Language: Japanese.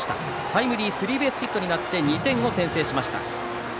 タイムリースリーベースヒットになって、２点を先制しました。